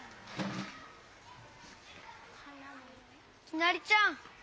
きなりちゃん